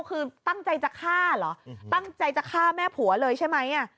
คือตั้งใจจะฆ่าเหรอตั้งใจจะฆ่าแม่ผัวเลยใช่ไหม